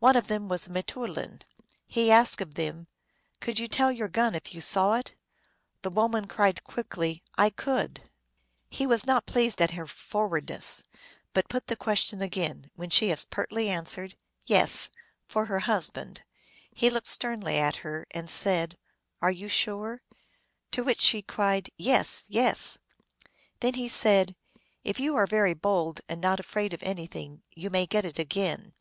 One of them was a mteoulin. He asked of them, " Could you tell your gun if you saw it ?" The woman cried quickly, " I could !" He was not pleased at her forwardness, but put the question again ; when she as pertly answered, " Yes," for her husband. He looked sternly at her, and said, " Are you sure ?" To which she cried, " Yes, yes !" Then he said, " If you are very bold, and not afraid of anything, you may get it again."